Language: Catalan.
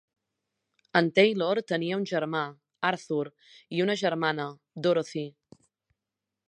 En Taylor tenia un germà, Arthur, i una germana, Dorothy.